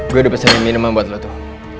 gue ada pesan minuman buat lo tuh